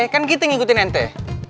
kan kita ngikutin ente